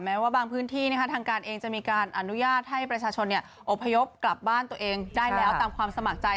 ว่าบางพื้นที่ทางการเองจะมีการอนุญาตให้ประชาชนอบพยพกลับบ้านตัวเองได้แล้วตามความสมัครใจ